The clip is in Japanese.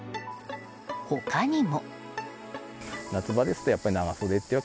他にも。